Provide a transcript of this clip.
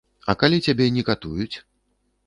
А калі цябе не катуюць?